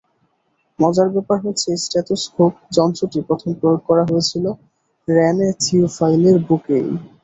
মজার ব্যাপার হচ্ছে, স্টেথোস্কোপ যন্ত্রটি প্রথম প্রয়োগ করা হয়েছিল রেনে থিওফাইলের বুকেই।